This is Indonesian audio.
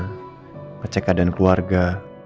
ngecek keadaan keluarga